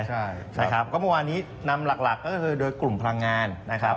สงสัยจำกัดเลยนะครับก็เมื่อวานนี้นำหลักโดยกลุ่มพลังงานนะครับ